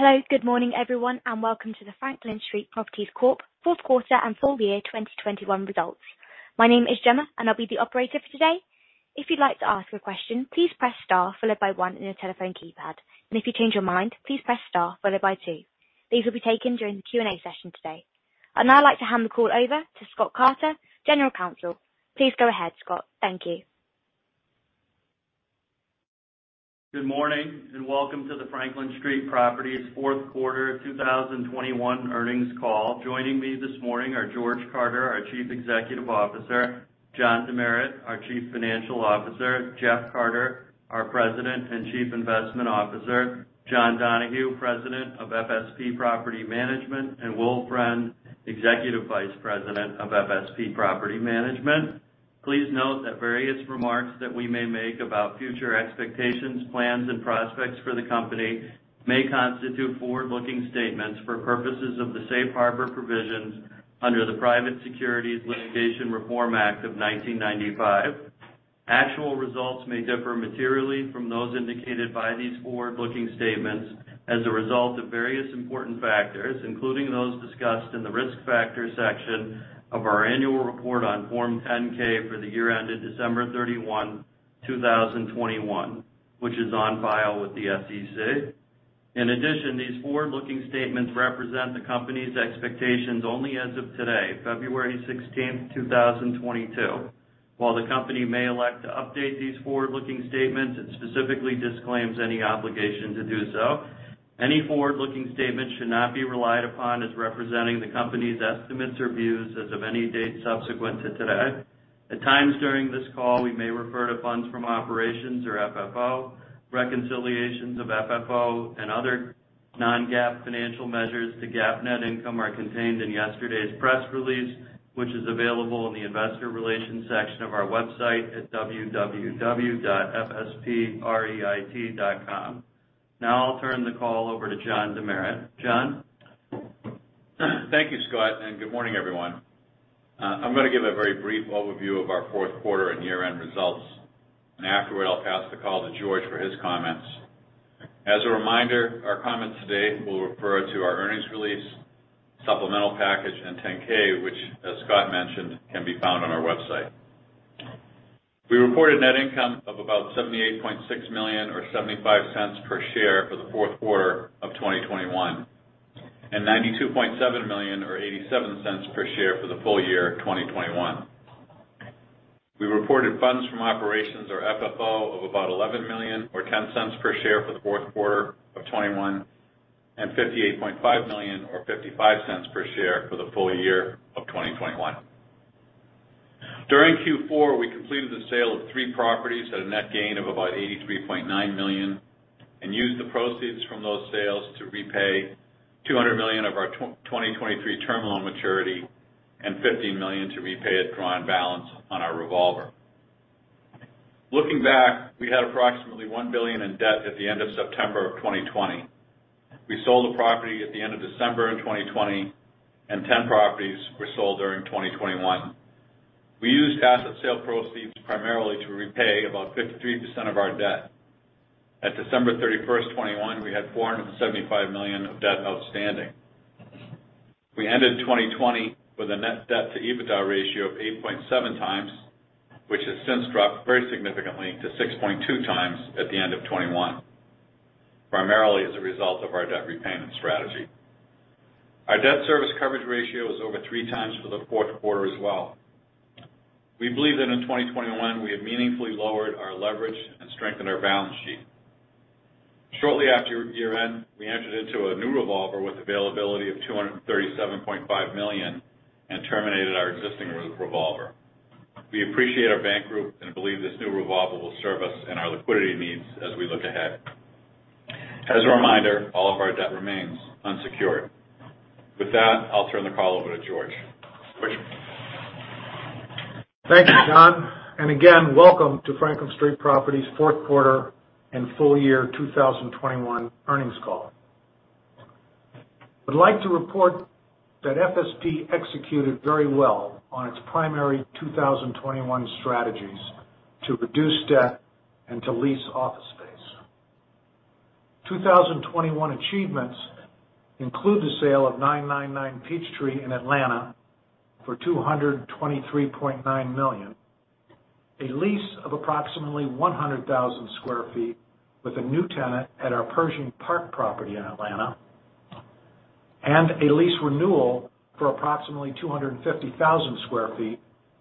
Hello. Good morning, everyone, and welcome to the Franklin Street Properties Corp. Fourth Quarter and Full Year 2021 Results. My name is Gemma, and I'll be the operator for today. If you'd like to ask a question, please press Star followed by one on your telephone keypad. If you change your mind, please press Star followed by two. These will be taken during the Q&A session today. I'd now like to hand the call over to Scott Carter, General Counsel. Please go ahead, Scott. Thank you. Good morning, and welcome to the Franklin Street Properties fourth quarter 2021 earnings call. Joining me this morning are George Carter, our Chief Executive Officer, John DeMeritt, our Chief Financial Officer, Jeff Carter, our President and Chief Investment Officer, John Donahue, President of FSP Property Management, and Will Friend, Executive Vice President of FSP Property Management. Please note that various remarks that we may make about future expectations, plans, and prospects for the company may constitute forward-looking statements for purposes of the safe harbor provisions under the Private Securities Litigation Reform Act of 1995. Actual results may differ materially from those indicated by these forward-looking statements as a result of various important factors, including those discussed in the Risk Factors section of our annual report on Form 10-K for the year ended December 31, 2021, which is on file with the SEC. In addition, these forward-looking statements represent the company's expectations only as of today, February sixteenth, two thousand twenty-two. While the company may elect to update these forward-looking statements, it specifically disclaims any obligation to do so. Any forward-looking statements should not be relied upon as representing the company's estimates or views as of any date subsequent to today. At times during this call, we may refer to funds from operations, or FFO. Reconciliations of FFO and other non-GAAP financial measures to GAAP net income are contained in yesterday's press release, which is available in the investor relations section of our website at www.fspreit.com. Now I'll turn the call over to John DeMeritt. John? Thank you, Scott, and good morning, everyone. I'm gonna give a very brief overview of our fourth quarter and year-end results. Afterward, I'll pass the call to George for his comments. As a reminder, our comments today will refer to our earnings release, supplemental package, and 10-K, which, as Scott mentioned, can be found on our website. We reported net income of about $78.6 million or $0.75 per share for the fourth quarter of 2021, and $92.7 million or $0.87 per share for the full year of 2021. We reported funds from operations, or FFO, of about $11 million or $0.10 per share for the fourth quarter of 2021, and $58.5 million or $0.55 per share for the full year of 2021. During Q4, we completed the sale of three properties at a net gain of about $83.9 million, and used the proceeds from those sales to repay $200 million of our 2023 term loan maturity and $50 million to repay a drawn balance on our revolver. Looking back, we had approximately $1 billion in debt at the end of September 2020. We sold a property at the end of December 2020, and 10 properties were sold during 2021. We used asset sale proceeds primarily to repay about 53% of our debt. At December 31, 2021, we had $475 million of debt outstanding. We ended 2020 with a net debt-to-EBITDA ratio of 8.7 times, which has since dropped very significantly to 6.2x at the end of 2021, primarily as a result of our debt repayment strategy. Our debt service coverage ratio was over 3x for the fourth quarter as well. We believe that in 2021 we have meaningfully lowered our leverage and strengthened our balance sheet. Shortly after year-end, we entered into a new revolver with availability of $237.5 million and terminated our existing revolver. We appreciate our bank group and believe this new revolver will serve us and our liquidity needs as we look ahead. As a reminder, all of our debt remains unsecured. With that, I'll turn the call over to George. George? Thank you, John. Again, welcome to Franklin Street Properties fourth quarter and full year 2021 earnings call. I'd like to report that FSP executed very well on its primary 2021 strategies to reduce debt and to lease office space. 2021 achievements include the sale of 999 Peachtree in Atlanta for $223.9 million, a lease of approximately 100,000 sq ft with a new tenant at our Pershing Park property in Atlanta, and a lease renewal for approximately 250,000 sq ft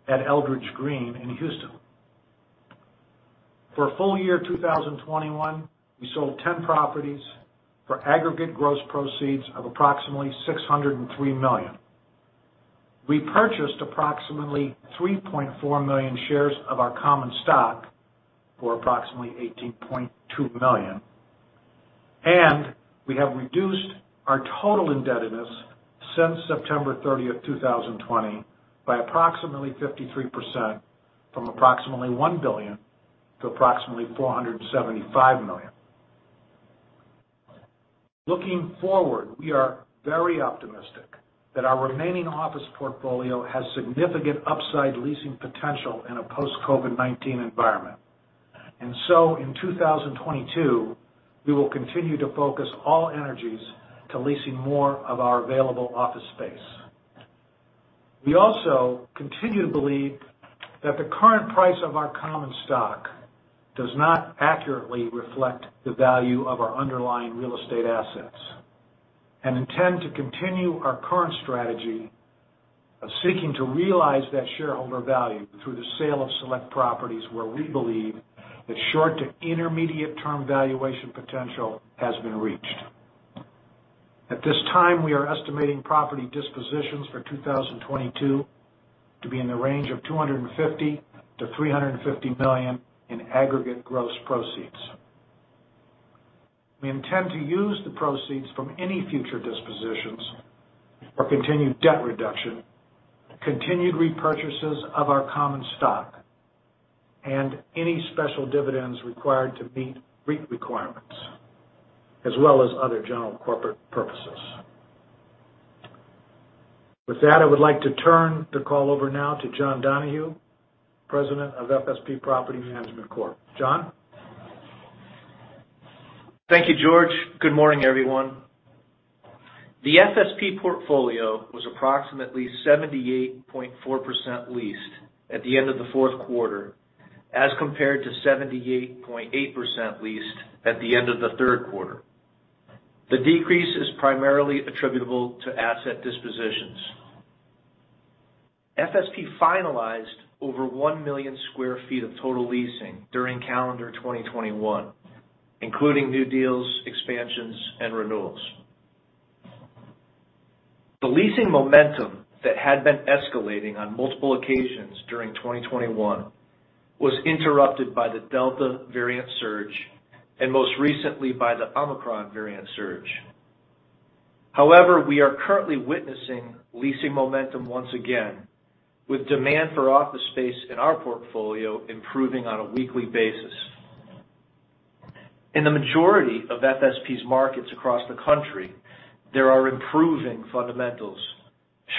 at Eldridge Green in Houston. For full year 2021, we sold 10 properties for aggregate gross proceeds of approximately $603 million. We purchased approximately 3.4 million shares of our common stock for approximately $18.2 million, and we have reduced our total indebtedness since September 30, 2020 by approximately 53% from approximately $1 billion to approximately $475 million. Looking forward, we are very optimistic that our remaining office portfolio has significant upside leasing potential in a post COVID-19 environment. In 2022, we will continue to focus all energies to leasing more of our available office space. We also continue to believe that the current price of our common stock does not accurately reflect the value of our underlying real estate assets, and intend to continue our current strategy of seeking to realize that shareholder value through the sale of select properties where we believe that short to intermediate term valuation potential has been reached. At this time, we are estimating property dispositions for 2022 to be in the range of $250 million-$350 million in aggregate gross proceeds. We intend to use the proceeds from any future dispositions for continued debt reduction, continued repurchases of our common stock, and any special dividends required to meet REIT requirements, as well as other general corporate purposes. With that, I would like to turn the call over now to John Donahue, President of FSP Property Management LLC. John? Thank you, George. Good morning, everyone. The FSP portfolio was approximately 78.4% leased at the end of the fourth quarter, as compared to 78.8% leased at the end of the third quarter. The decrease is primarily attributable to asset dispositions. FSP finalized over 1 million sq ft of total leasing during calendar 2021, including new deals, expansions, and renewals. The leasing momentum that had been escalating on multiple occasions during 2021 was interrupted by the Delta variant surge and most recently by the Omicron variant surge. However, we are currently witnessing leasing momentum once again, with demand for office space in our portfolio improving on a weekly basis. In the majority of FSP's markets across the country, there are improving fundamentals,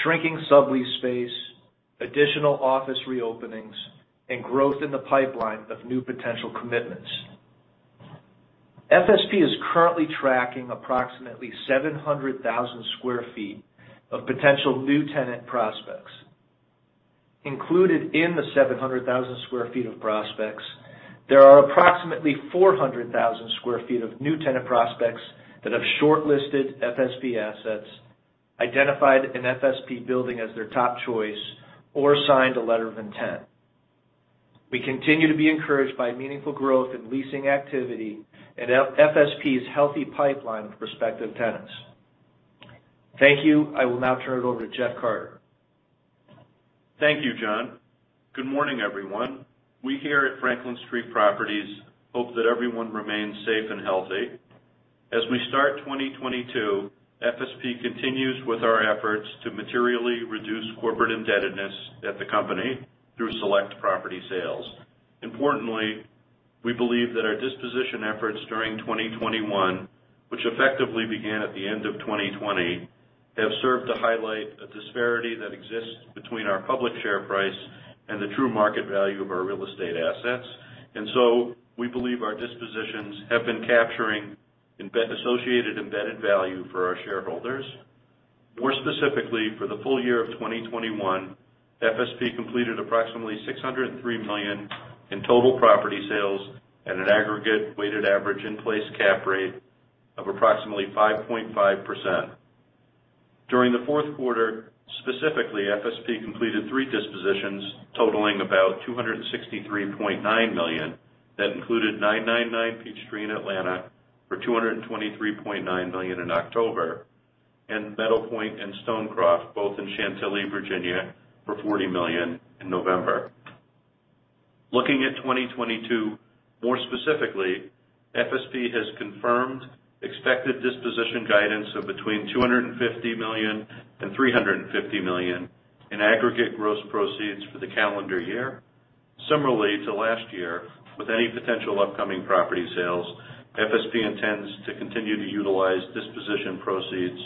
shrinking sublease space, additional office reopenings, and growth in the pipeline of new potential commitments. FSP is currently tracking approximately 700,000 sq ft of potential new tenant prospects. Included in the 700,000 sq ft of prospects, there are approximately 400,000 sq ft of new tenant prospects that have shortlisted FSP assets, identified an FSP building as their top choice, or signed a letter of intent. We continue to be encouraged by meaningful growth in leasing activity and FSP's healthy pipeline of prospective tenants. Thank you. I will now turn it over to Jeff Carter. Thank you, John. Good morning, everyone. We here at Franklin Street Properties hope that everyone remains safe and healthy. As we start 2022, FSP continues with our efforts to materially reduce corporate indebtedness at the company through select property sales. Importantly, we believe that our disposition efforts during 2021, which effectively began at the end of 2020, have served to highlight a disparity that exists between our public share price and the true market value of our real estate assets. We believe our dispositions have been capturing embedded value for our shareholders. More specifically, for the full year of 2021, FSP completed approximately $603 million in total property sales at an aggregate weighted average in-place cap rate of approximately 5.5%. During the fourth quarter, specifically, FSP completed three dispositions totaling about $263.9 million that included 999 Peachtree in Atlanta for $223.9 million in October, and Meadow Point and Stonecroft, both in Chantilly, Virginia, for $40 million in November. Looking at 2022, more specifically, FSP has confirmed expected disposition guidance of between $250 million and $350 million in aggregate gross proceeds for the calendar year. Similarly to last year, with any potential upcoming property sales, FSP intends to continue to utilize disposition proceeds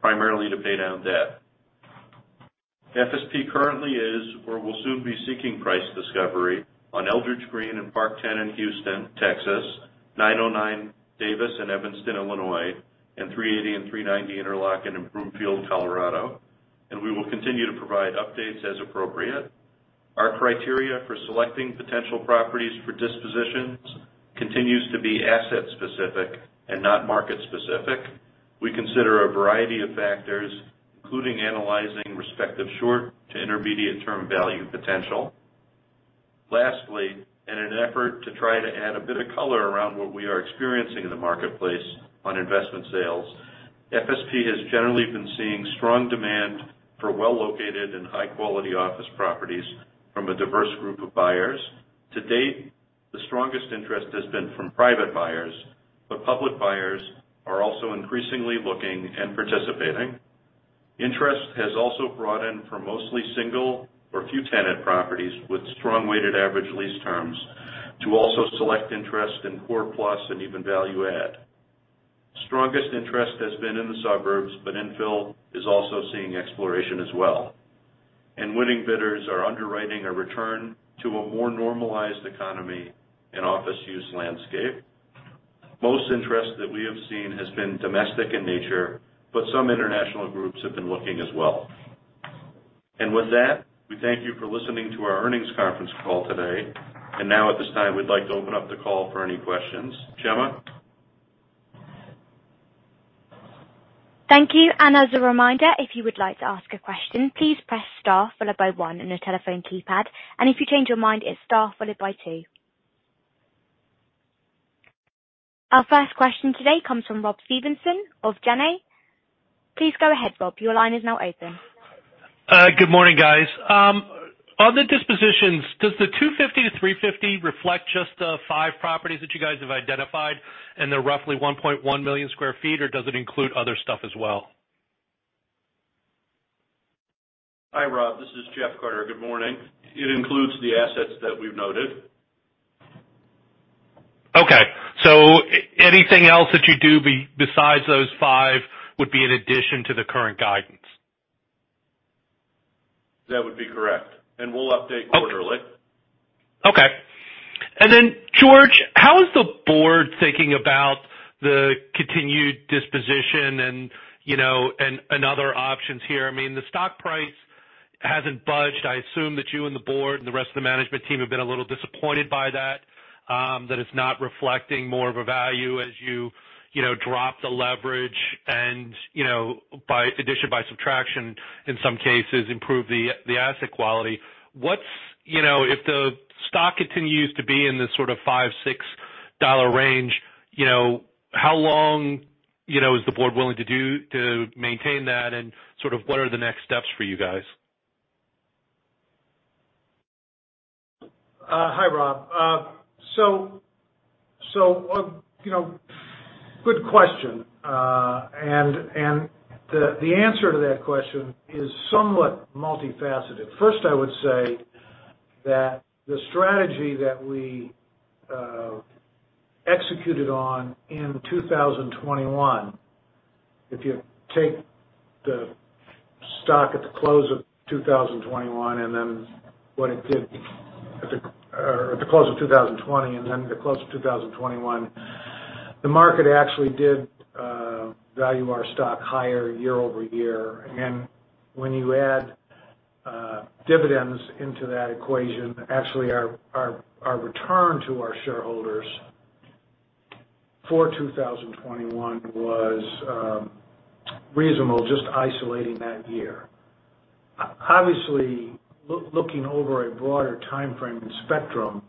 primarily to pay down debt. FSP currently is or will soon be seeking price discovery on Eldridge Green and Park Ten in Houston, Texas, 909 Davis in Evanston, Illinois, and 380 and 390 Interlocken in Broomfield, Colorado, and we will continue to provide updates as appropriate. Our criteria for selecting potential properties for dispositions continues to be asset-specific and not market-specific. We consider a variety of factors, including analyzing respective short to intermediate term value potential. Lastly, in an effort to try to add a bit of color around what we are experiencing in the marketplace on investment sales, FSP has generally been seeing strong demand for well-located and high-quality office properties from a diverse group of buyers. To date, the strongest interest has been from private buyers, but public buyers are also increasingly looking and participating. Interest has also been shown in mostly single or few tenant properties with strong weighted average lease terms. There's also select interest in core plus and even value add. Strongest interest has been in the suburbs, but infill is also seeing exploration as well. Winning bidders are underwriting a return to a more normalized economy and office use landscape. Most interest that we have seen has been domestic in nature, but some international groups have been looking as well. With that, we thank you for listening to our earnings conference call today. Now at this time, we'd like to open up the call for any questions. Gemma? Thank you. As a reminder, if you would like to ask a question, please press Star followed by one on your telephone keypad. If you change your mind, it's Star followed by two. Our first question today comes from Robert Stevenson of Janney. Please go ahead, Rob. Your line is now open. Good morning, guys. On the dispositions, does the $250-$350 reflect just the 5 properties that you guys have identified and the roughly 1.1 million sq ft, or does it include other stuff as well? Hi, Rob. This is Jeff Carter. Good morning. It includes the assets that we've noted. Okay. Anything else that you do besides those five would be in addition to the current guidance. That would be correct. We'll update quarterly. Okay. George, how is the Board thinking about the continued disposition and, you know, other options here? I mean, the stock price hasn't budged. I assume that you and the Board and the rest of the Management team have been a little disappointed by that it's not reflecting more of a value as you know drop the leverage and, you know, by addition by subtraction, in some cases, improve the asset quality. You know, if the stock continues to be in this sort of $5-$6 range, you know, how long, you know, is the Board willing to do to maintain that, and sort of what are the next steps for you guys? Hi, Rob. You know, good question. The answer to that question is somewhat multifaceted. First, I would say that the strategy that we executed on in 2021, if you take the stock at the close of 2021, and then what it did or at the close of 2020, and then the close of 2021, the market actually did value our stock higher year-over-year. When you add dividends into that equation, actually, our return to our shareholders for 2021 was reasonable, just isolating that year. Obviously, looking over a broader timeframe and spectrum,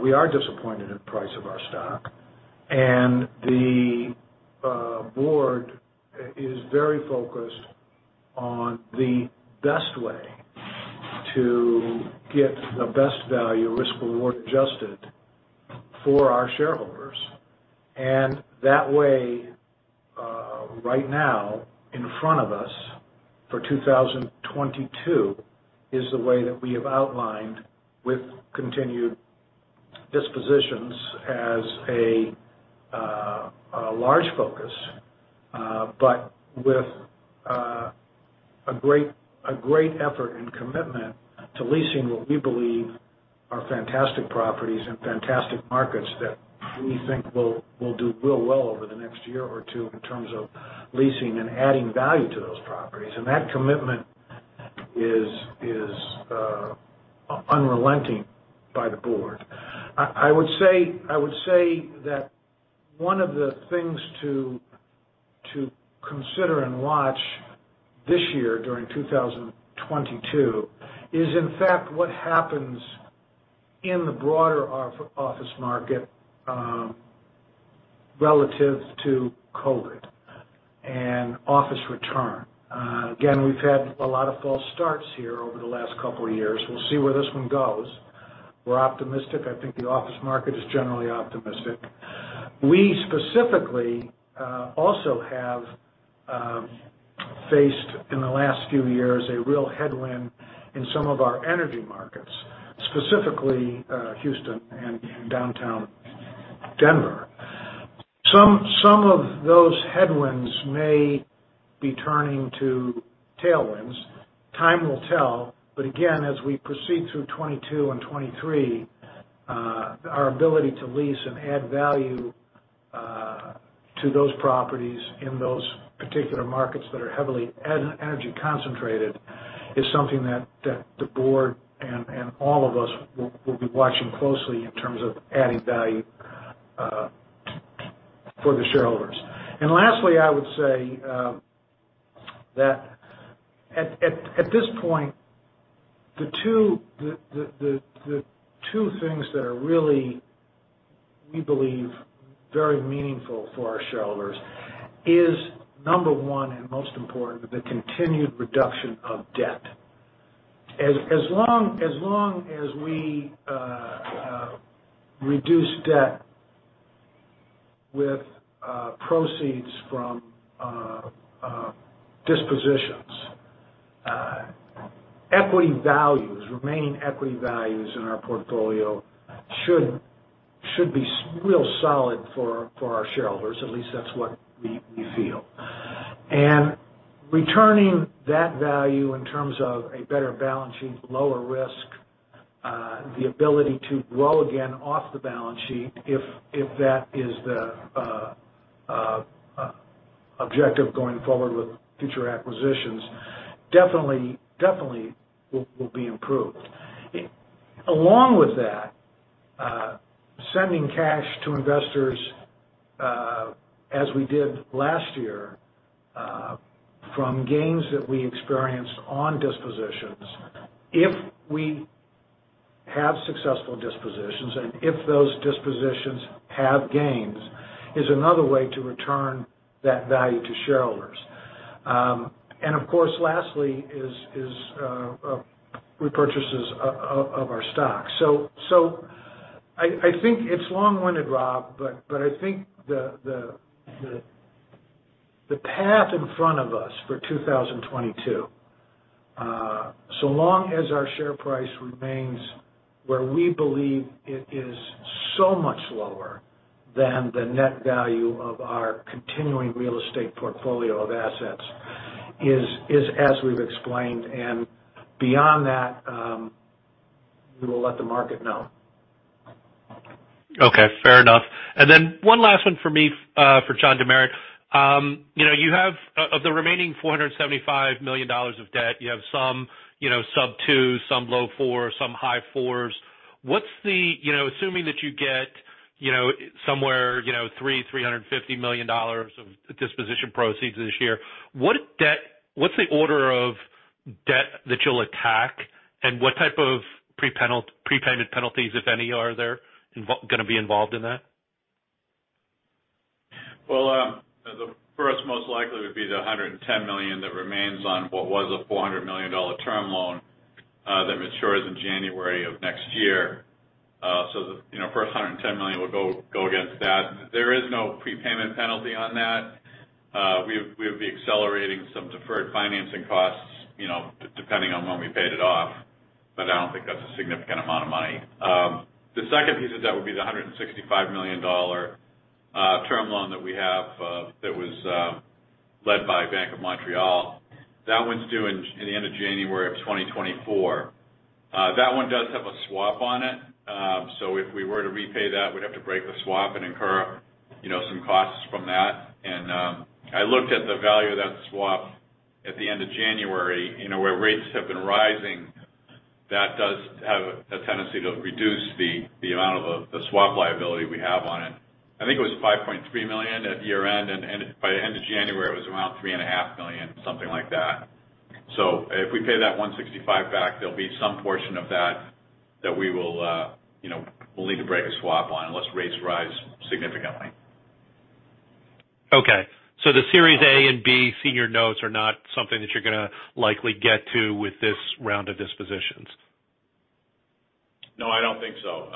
we are disappointed in the price of our stock, and the board is very focused on the best way to get the best value risk/reward adjusted for our shareholders. That way, right now in front of us for 2022 is the way that we have outlined with continued dispositions as a large focus, but with a great effort and commitment to leasing what we believe are fantastic properties and fantastic markets that we think will do real well over the next year or two in terms of leasing and adding value to those properties. That commitment is unrelenting by the board. I would say that one of the things to consider and watch this year during 2022 is in fact what happens in the broader office market relative to COVID and office return. Again, we've had a lot of false starts here over the last couple of years. We'll see where this one goes. We're optimistic. I think the office market is generally optimistic. We specifically also have faced in the last few years a real headwind in some of our energy markets, specifically Houston and downtown Denver. Some of those headwinds may be turning to tailwinds. Time will tell. Again, as we proceed through 2022 and 2023, our ability to lease and add value to those properties in those particular markets that are heavily energy concentrated is something that the board and all of us will be watching closely in terms of adding value for the shareholders. Lastly, I would say that at this point, the two things that are really, we believe, very meaningful for our shareholders is, number one, and most important, the continued reduction of debt. As long as we reduce debt with proceeds from dispositions, equity values, remaining equity values in our portfolio should be real solid for our shareholders. At least that's what we feel. Returning that value in terms of a better balance sheet, lower risk, the ability to grow again off the balance sheet if that is the objective going forward with future acquisitions, definitely will be improved. Along with that, sending cash to investors as we did last year from gains that we experienced on dispositions if we have successful dispositions and if those dispositions have gains is another way to return that value to shareholders. Of course, lastly, repurchases of our stock. I think it's long-winded, Rob, but I think the path in front of us for 2022, so long as our share price remains where we believe it is so much lower than the net value of our continuing real estate portfolio of assets, is as we've explained. Beyond that, we will let the market know. Okay, fair enough. One last one for me for John Demeritt. You know, of the remaining $475 million of debt, you have some you know sub-2, some low fours, some high fours. What's the you know assuming that you get you know somewhere you know $350 million of disposition proceeds this year, what's the order of debt that you'll attack, and what type of prepayment penalties, if any, are there gonna be involved in that? Well, the first most likely would be the $110 million that remains on what was a $400 million term loan that matures in January of next year. So the, you know, first $110 million would go against that. There is no prepayment penalty on that. We would be accelerating some deferred financing costs, you know, depending on when we paid it off, but I don't think that's a significant amount of money. The second piece of that would be the $165 million term loan that we have that was led by Bank of Montreal. That one's due in the end of January of 2024. That one does have a swap on it. If we were to repay that, we'd have to break the swap and incur, you know, some costs from that. I looked at the value of that swap at the end of January, you know, where rates have been rising. That does have a tendency to reduce the amount of the swap liability we have on it. I think it was $5.3 million at year-end, and by the end of January, it was around $3.5 million, something like that. If we pay that $165 million back, there'll be some portion of that that we will, you know, we'll need to break a swap on unless rates rise significantly. Okay. The Series A and B senior notes are not something that you're gonna likely get to with this round of dispositions? No, I don't think so.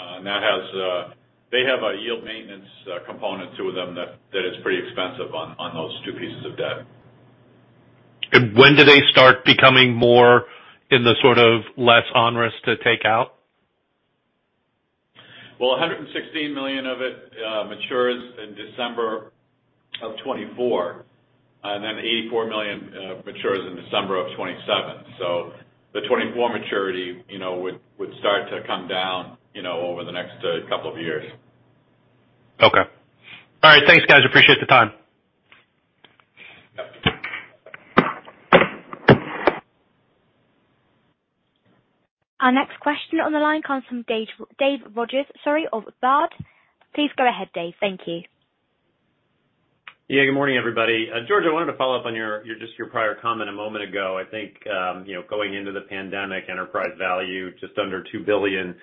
They have a yield maintenance component to them that is pretty expensive on those two pieces of debt. When do they start becoming more in the sort of less onerous to take out? Well, $116 million of it matures in December 2024, and then $84 million matures in December 2027. The 2024 maturity, you know, would start to come down, you know, over the next couple of years. Okay. All right. Thanks, guys. Appreciate the time. Yep. Our next question on the line comes from David Rodgers, sorry, of Baird. Please go ahead, Dave. Thank you. Yeah. Good morning, everybody. George, I wanted to follow up on your prior comment a moment ago. I think you know, going into the pandemic enterprise value, just under $2 billion,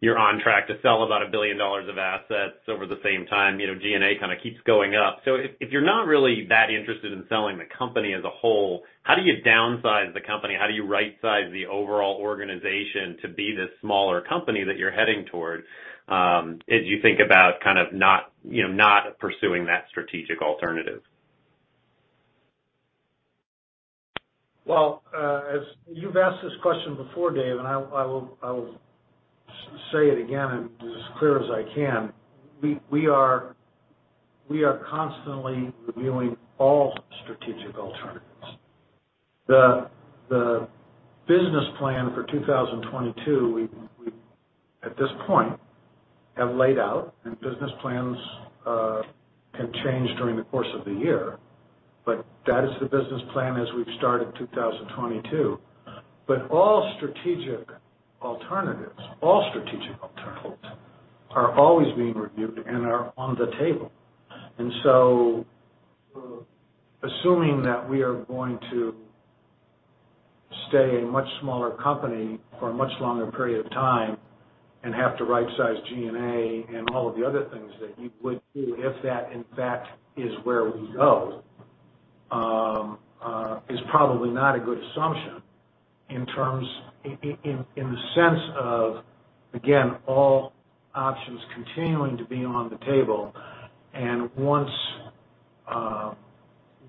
you're on track to sell about $1 billion of assets over the same time. You know, G&A kinda keeps going up. If you're not really that interested in selling the company as a whole, how do you downsize the company? How do you right-size the overall organization to be this smaller company that you're heading toward as you think about kind of not you know, not pursuing that strategic alternative? Well, as you've asked this question before, Dave, and I will say it again and as clear as I can, we are constantly reviewing all strategic alternatives. The business plan for 2022, we at this point have laid out, and business plans can change during the course of the year, but that is the business plan as we've started 2022. All strategic alternatives are always being reviewed and are on the table. Assuming that we are going to stay a much smaller company for a much longer period of time and have to rightsize G&A and all of the other things that you would do if that, in fact, is where we go- is probably not a good assumption in terms, in the sense of, again, all options continuing to be on the table. Once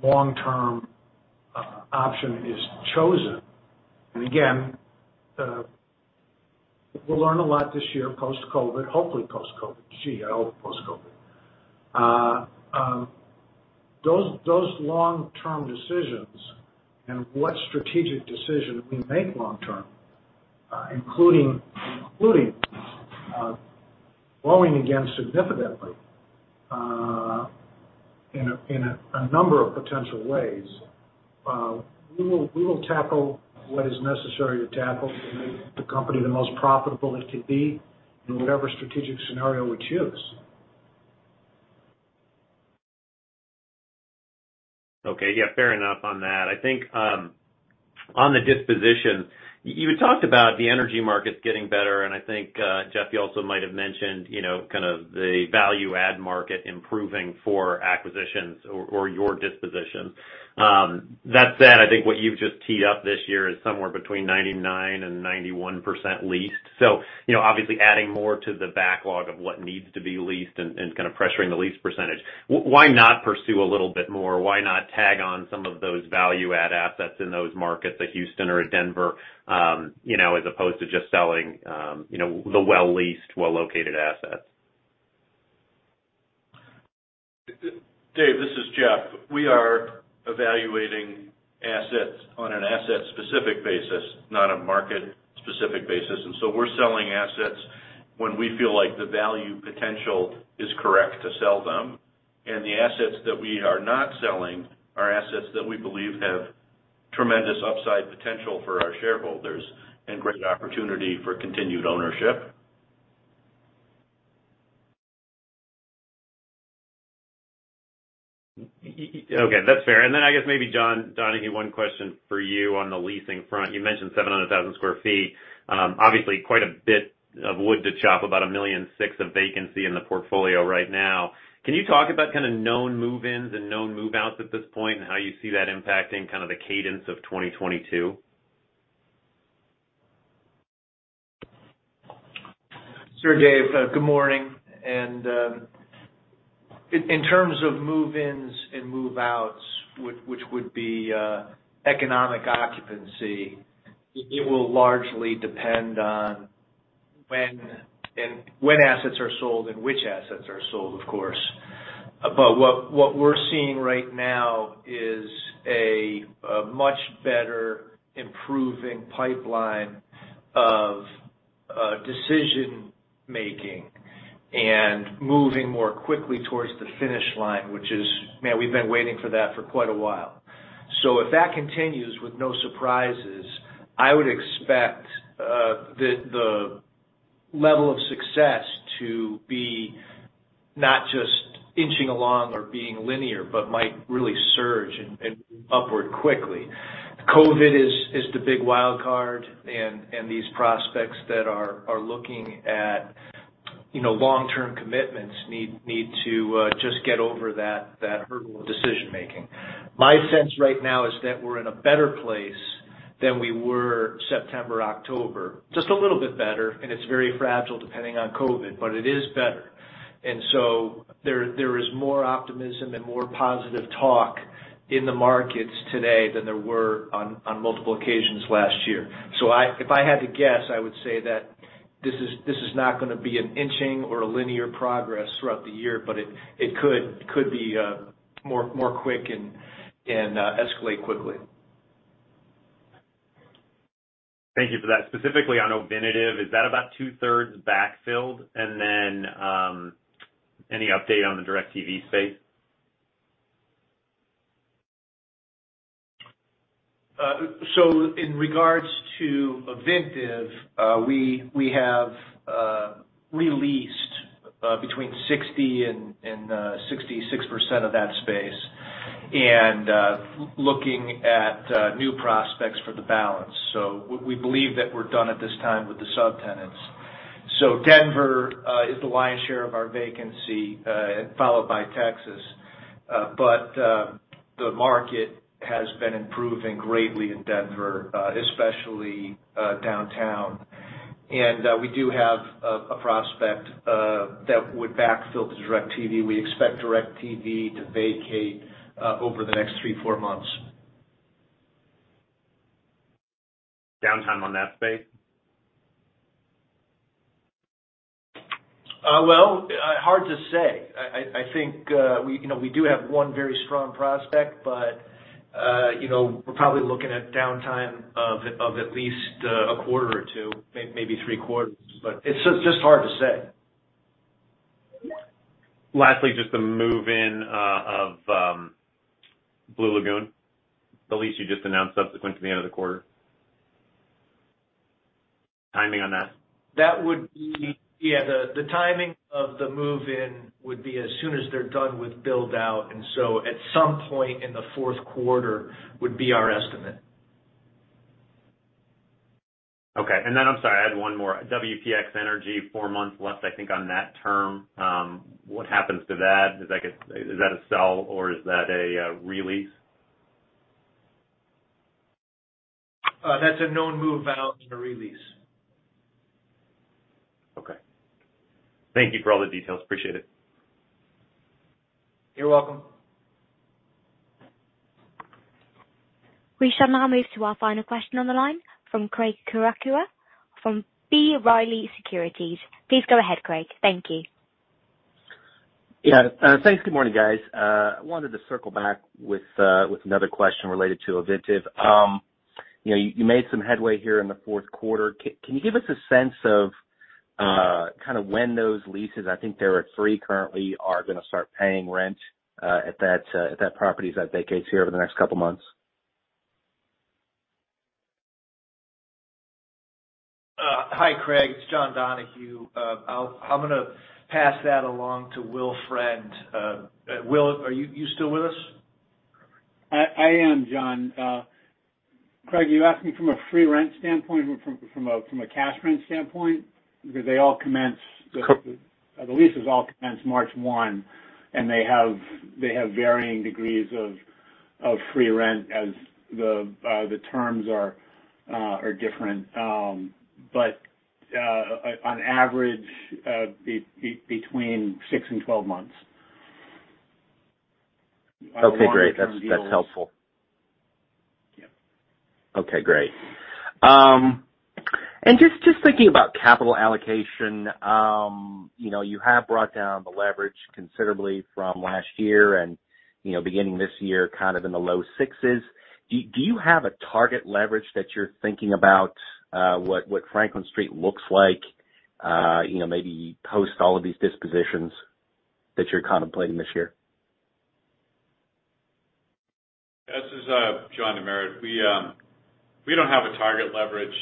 long-term option is chosen, again, we'll learn a lot this year post-COVID, hopefully post-COVID. Gee, I hope post-COVID. Those long-term decisions and what strategic decision we make long term, including growing again significantly in a number of potential ways, we will tackle what is necessary to tackle to make the company the most profitable it could be in whatever strategic scenario we choose. Okay. Yeah, fair enough on that. I think, on the disposition, you had talked about the energy markets getting better, and I think, Jeff, you also might have mentioned, you know, kind of the value add market improving for acquisitions or your dispositions. That said, I think what you've just teed up this year is somewhere between 99%-91% leased. You know, obviously adding more to the backlog of what needs to be leased and kind of pressuring the lease percentage. Why not pursue a little bit more? Why not tag on some of those value add assets in those markets like Houston or Denver, you know, as opposed to just selling, you know, the well-leased, well-located assets? Dave, this is Jeff. We are evaluating assets on an asset-specific basis, not a market-specific basis. We're selling assets when we feel like the value potential is correct to sell them. The assets that we are not selling are assets that we believe have tremendous upside potential for our shareholders and great opportunity for continued ownership. Okay, that's fair. I guess maybe John Donahue, one question for you on the leasing front. You mentioned 700,000 sq ft. Obviously quite a bit of wood to chop about 1.6 million of vacancy in the portfolio right now. Can you talk about kind of known move-ins and known move-outs at this point and how you see that impacting kind of the cadence of 2022? Sure, Dave. Good morning. In terms of move-ins and move-outs, which would be economic occupancy, it will largely depend on when assets are sold and which assets are sold, of course. What we're seeing right now is a much better improving pipeline of decision-making and moving more quickly towards the finish line, which is, man, we've been waiting for that for quite a while. If that continues with no surprises, I would expect the level of success to be not just inching along or being linear, but might really surge and move upward quickly. COVID is the big wild card and these prospects that are looking at, you know, long-term commitments need to just get over that hurdle of decision-making. My sense right now is that we're in a better place than we were September, October. Just a little bit better, and it's very fragile depending on COVID, but it is better. There is more optimism and more positive talk in the markets today than there were on multiple occasions last year. If I had to guess, I would say that this is not gonna be an inching or a linear progress throughout the year, but it could be more quick and escalate quickly. Thank you for that. Specifically on Ovintiv, is that about two-thirds backfilled? Any update on the DIRECTV space? In regards to Ovintiv, we have re-leased between 60%-66% of that space and looking at new prospects for the balance. We believe that we're done at this time with the subtenants. Denver is the lion's share of our vacancy, followed by Texas. The market has been improving greatly in Denver, especially downtown. We do have a prospect that would backfill to DIRECTV. We expect DIRECTV to vacate over the next three-four months. Downtime on that space? Well, hard to say. I think, you know, we do have one very strong prospect, but, you know, we're probably looking at downtime of at least a quarter or two, maybe three quarters, but it's just hard to say. Lastly, just the move-in of Blue Lagoon, the lease you just announced subsequent to the end of the quarter. Timing on that. The timing of the move-in would be as soon as they're done with build-out, and so at some point in the fourth quarter would be our estimate. Okay. I'm sorry, I had one more. WPX Energy, four months left, I think, on that term. What happens to that? Is that a sell or is that a re-lease? That's a known move out and a re-lease. Okay. Thank you for all the details. Appreciate it. You're welcome. We shall now move to our final question on the line from Craig Kucera from B. Riley Securities. Please go ahead, Craig. Thank you. Yeah. Thanks. Good morning, guys. I wanted to circle back with another question related to Ovintiv. You know, you made some headway here in the fourth quarter. Can you give us a sense of kind of when those leases, I think there are three currently, are gonna start paying rent, if that property vacates here over the next couple of months? Hi, Craig. It's John Donahue. I'm gonna pass that along to Will Friend. Will, are you still with us? I am John. Craig, you asked me from a free rent standpoint or from a cash rent standpoint? Because they all commence- Co- The leases all commence March 1, and they have varying degrees of free rent as the terms are different. On average between six and 12 months. Okay, great. Our long-term deals. That's helpful. Yeah. Okay, great. Just thinking about capital allocation, you know, you have brought down the leverage considerably from last year and, you know, beginning this year kind of in the low sixes. Do you have a target leverage that you're thinking about, what Franklin Street looks like, you know, maybe post all of these dispositions that you're contemplating this year? This is John DeMeritt. We don't have a target leverage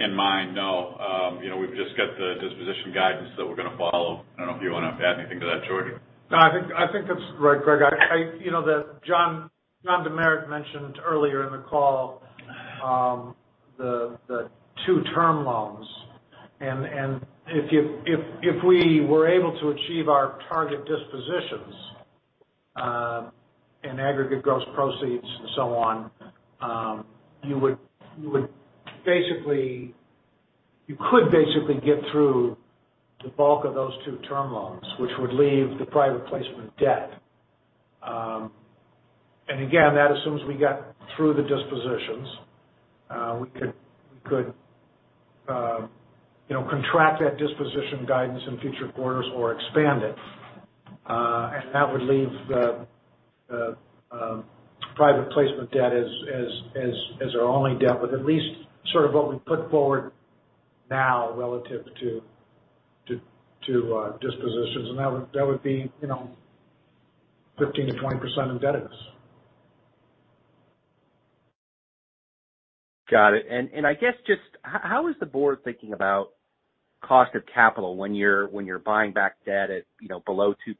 in mind, no. You know, we've just got the disposition guidance that we're gonna follow. I don't know if you wanna add anything to that, George. No, I think that's right, Craig. You know, John DeMeritt mentioned earlier in the call, the two term loans. If we were able to achieve our target dispositions, and aggregate gross proceeds and so on, you would basically get through the bulk of those two term loans, which would leave the private placement debt. And again, that assumes we got through the dispositions. We could contract that disposition guidance in future quarters or expand it. And that would leave the private placement debt as our only debt with at least sort of what we put forward now relative to dispositions. That would be, you know, 15%-20% of debt at risk. Got it. I guess just how is the board thinking about cost of capital when you're buying back debt at, you know, below 2%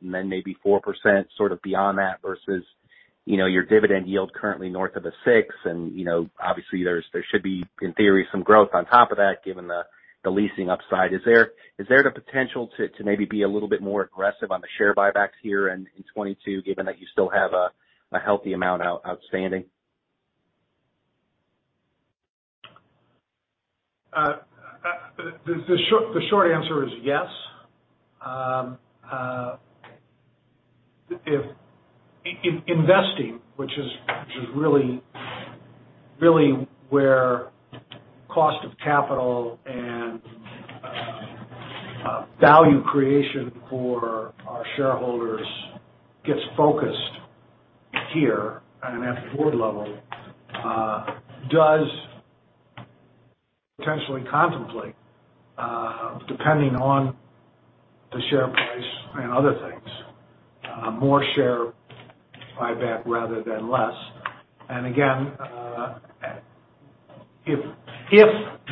and then maybe 4% sort of beyond that versus, you know, your dividend yield currently north of 6%. You know, obviously there should be, in theory, some growth on top of that, given the leasing upside. Is there the potential to maybe be a little bit more aggressive on the share buybacks here in 2022, given that you still have a healthy amount outstanding? The short answer is yes. Investing, which is really where cost of capital and value creation for our shareholders gets focused here and at the board level, does potentially contemplate, depending on the share price and other things, more share buyback rather than less. Again, if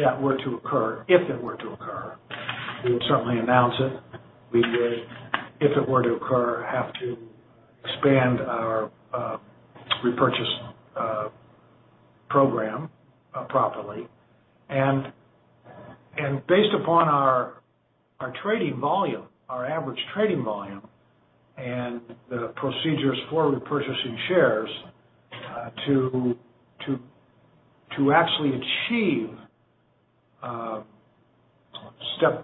that were to occur, we would certainly announce it. We would, if it were to occur, have to expand our repurchase program properly. Based upon our trading volume, our average trading volume and the procedures for repurchasing shares, to actually achieve stepped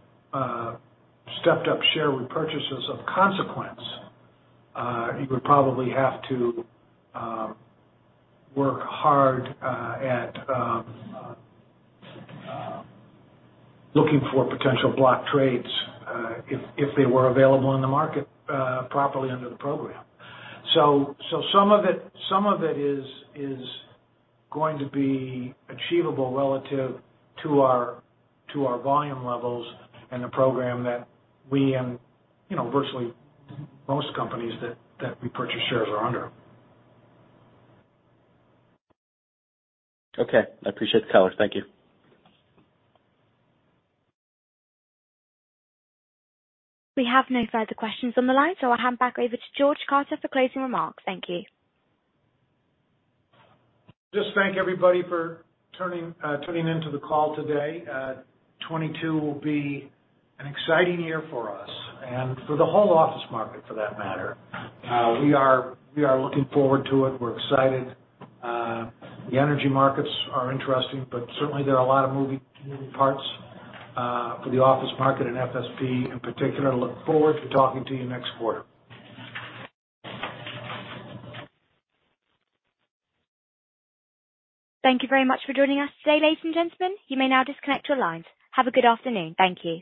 up share repurchases of consequence, you would probably have to work hard at looking for potential block trades, if they were available in the market, properly under the program. Some of it is going to be achievable relative to our volume levels and the program that we and, you know, virtually most companies that we purchase shares are under. Okay. I appreciate the color. Thank you. We have no further questions on the line, so I'll hand back over to George Carter for closing remarks. Thank you. Just thank everybody for tuning into the call today. 2022 will be an exciting year for us and for the whole office market for that matter. We are looking forward to it. We're excited. The energy markets are interesting, but certainly there are a lot of moving parts for the office market and FSP in particular. Look forward to talking to you next quarter. Thank you very much for joining us today, ladies and gentlemen. You may now disconnect your lines. Have a good afternoon. Thank you.